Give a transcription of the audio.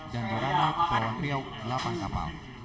dan di rana kepulauan riau delapan kapal